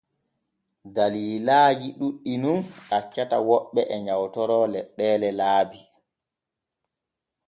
Dallillaaji ɗuuɗɗi nun accata woɓɓe e nyawtoro leɗɗeele laabi.